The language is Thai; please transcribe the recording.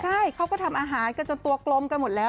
ใช่เขาก็ทำอาหารกันจนตัวกลมกันหมดแล้ว